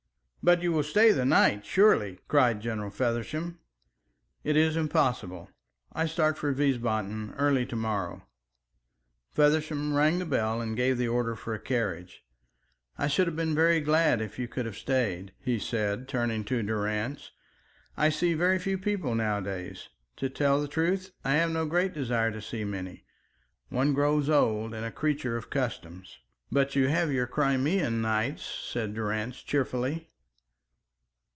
"But you will stay the night, surely," cried General Feversham. "It is impossible. I start for Wiesbaden early to morrow." Feversham rang the bell and gave the order for a carriage. "I should have been very glad if you could have stayed," he said, turning to Durrance. "I see very few people nowadays. To tell the truth I have no great desire to see many. One grows old and a creature of customs." "But you have your Crimean nights," said Durrance, cheerfully.